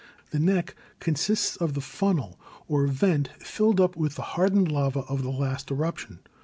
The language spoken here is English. The neck consists of the funnel or vent filled up with the hard ened lava of the last eruption.